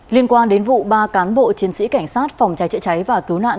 liên quan đến vụ ba cán bộ chiến sĩ cảnh sát phòng cháy chữa cháy và cứu nạn